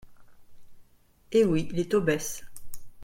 Eh oui, les taux baissent